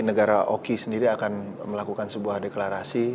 negara oki sendiri akan melakukan sebuah deklarasi